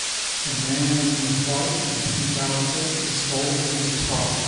The man in the white and pink outfit is holding a guitar.